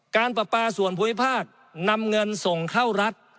การประปาส่วนภูมิภาคนำเงินส่งเข้ารัฐ